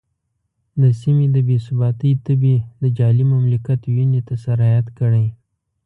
د سیمې د بې ثباتۍ تبې د جعلي مملکت وینې ته سرایت کړی.